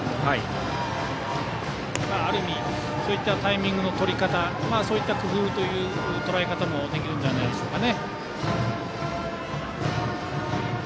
ある意味そういったタイミングのとり方そういった工夫というとらえ方もできるのではないでしょうか。